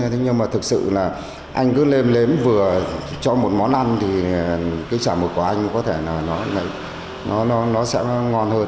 thế nhưng mà thực sự là anh cứ lên lếm vừa cho một món ăn thì cái chả mực của anh có thể là nó sẽ ngon hơn